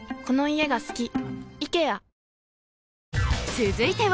続いては